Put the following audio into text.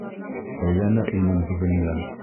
Әйләнер инем бөгөндән